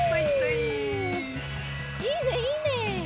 いいねいいね。